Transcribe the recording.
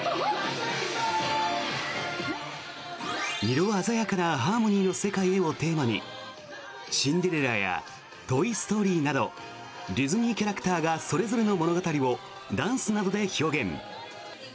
「色あざやかな、ハーモニーの世界へ」をテーマに「シンデレラ」や「トイ・ストーリー」などディズニーキャラクターがそれぞれの物語をダンスなどで表現。